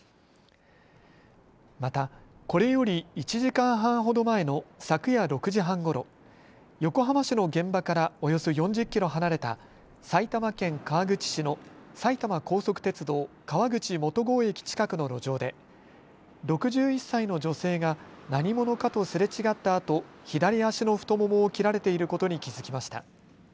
またこれより１時間半ほど前の昨夜６時半ごろ、横浜市の現場からおよそ４０キロ離れた埼玉県川口市の埼玉高速鉄道川口元郷駅近くの路上で６１歳の女性が何者かとすれ違ったあと左足の太ももを切られていることに気付きました。